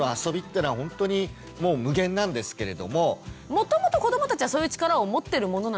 もともと子どもたちはそういう力を持ってるものなんですか？